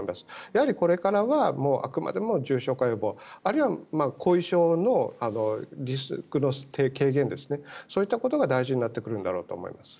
やはりこれからはあくまでも重症化予防、あるいは後遺症のリスクの軽減ですねそういったことが大事になってくるんだろうと思います。